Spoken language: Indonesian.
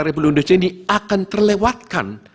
republik indonesia ini akan terlewatkan